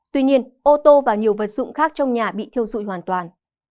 tuy nhiên ô tô và nhiều vật dụng khác trong nhà bị thiêu dụi hoàn toàn